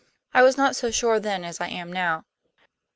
I was not so sure then as I am now."